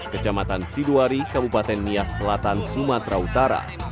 kejamatan sidoari kabupaten nias selatan sumatera utara